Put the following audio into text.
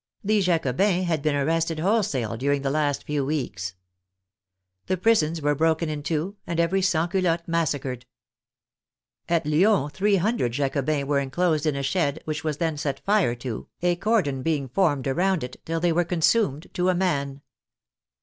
The Jacobins had been ar rested wholesale during the last few weeks. The prisons were broken into, and every Sansculotte massacred. At Lyons three hundred Jacobins were enclosed in a shed, which was then set fire to, a cordon being formed around it till they were consumed to a man.